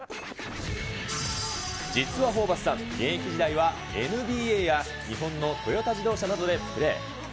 実はホーバスさん、現役時代はＮＢＡや日本のトヨタ自動車などでプレー。